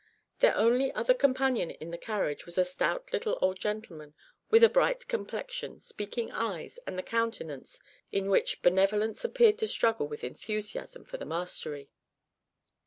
Their only other companion in the carriage was a stout little old gentleman with a bright complexion, speaking eyes, and a countenance in which benevolence appeared to struggle with enthusiasm for the mastery.